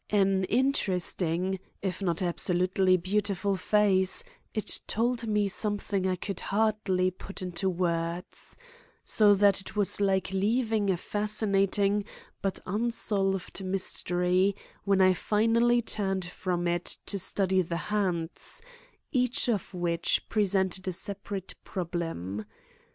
An interesting, if not absolutely beautiful face, it told me something I could hardly put into words; so that it was like leaving a fascinating but unsolved mystery when I finally turned from it to study the hands, each of which presented a separate problem.